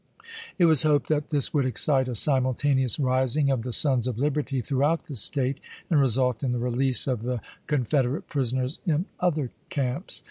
It was hoped that this would excite a simultaneous rising of the Sons of Liberty through out the State, and result in the release of the Con federate prisoners in other camps.